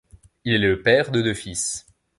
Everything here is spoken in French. Il est le père de deux fils.